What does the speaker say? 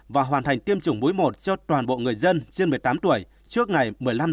và hoàn thành tiêm chủng mũi một cho toàn bộ người dân trên một mươi tám tuổi trước ngày một mươi năm tháng năm